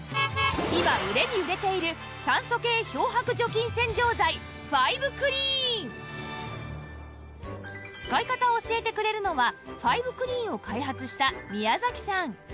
今売れに売れている使い方を教えてくれるのはファイブクリーンを開発した宮さん